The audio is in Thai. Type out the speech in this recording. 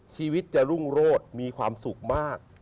ชีวิตจะรุ่งโรดมีความสุขมาก